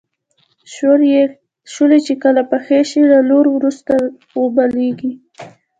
شولې چې کله پخې شي له لو وروسته غوبلیږي.